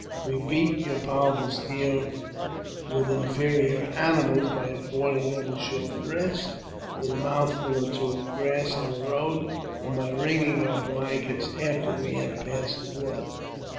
We beat your powerful steed with inferior animals by affording them a short rest, with a mouthful or two of grass on the road, and by wringing our blankets after we had passed the water."